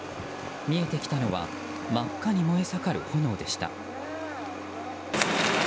見えてきたのは真っ赤に燃え盛る炎でした。